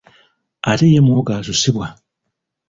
Ate ye muwogo asusibwa.